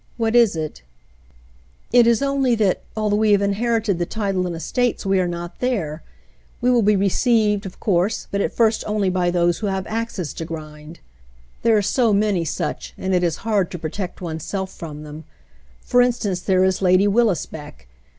What is it ?" "It is only that, although we have inherited the title and estates, we are not there. We will be received, of course, but at first only by those who have axes to grind. David visits his Mother 231 There are so many such, and it is hard to protect one's self from them. For instance, there is Lady WiUisbeck.